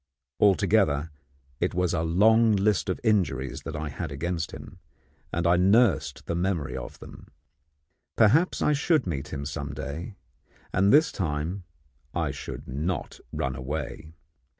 Altogether, it was a long list of injuries that I had against him, and I nursed the memory of them. Perhaps I should meet him some day, and this time I should not run away.